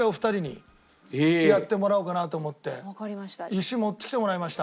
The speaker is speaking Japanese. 石持ってきてもらいました。